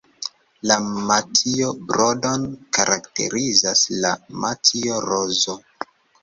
La matjo-brodon karakterizas la "matjo-rozo".